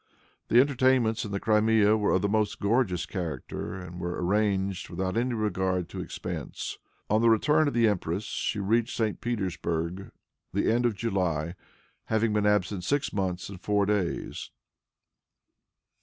The entertainments in the Crimea were of the most gorgeous character, and were arranged without any regard to expense. On the return of the empress she reached St. Petersburg the end of July, having been absent six months and four days.